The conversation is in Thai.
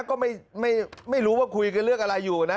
ก็ไม่รู้ว่าคุยกันเรื่องอะไรอยู่นะ